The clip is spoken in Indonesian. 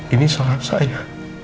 ini salah saya